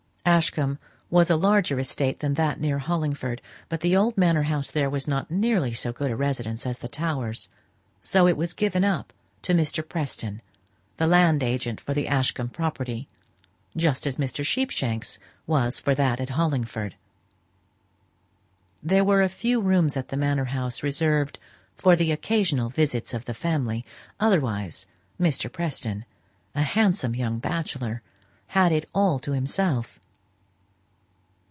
Ashcombe was a larger estate than that near Hollingford, but the old Manor house there was not nearly so good a residence as the Towers; so it was given up to Mr. Preston, the land agent for the Ashcombe property, just as Mr. Sheepshanks was for that at Hollingford. There were a few rooms at the Manor house reserved for the occasional visits of the family, otherwise Mr. Preston, a handsome young bachelor, had it all to himself.